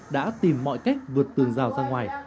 đã tìm mọi cách vượt tường rào ra ngoài